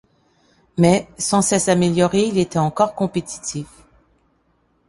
Mais, sans cesse amélioré, il était encore compétitif.